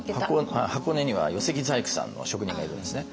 箱根には寄木細工さんの職人がいるんですね。